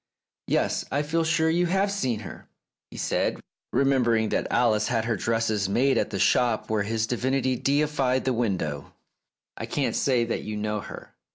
"Yes; I feel sure you have seen her," he said, remembering that Alice had her dresses made at the shop where his divinity deified the window. "I can't say that you know her."